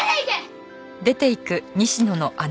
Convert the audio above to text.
出ていけ！